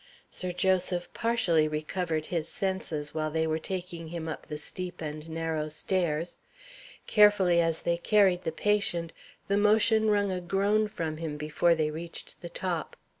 Sir Joseph partially recovered his senses while they were taking him up the steep and narrow stairs. Carefully as they carried the patient, the motion wrung a groan from him before they reached the top.